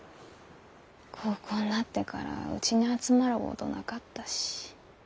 高校んなってからうちに集まるごどなかったし。